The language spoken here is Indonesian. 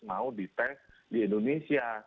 mau dites di indonesia